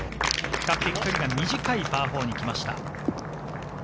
比較的距離が短いパー４になりました。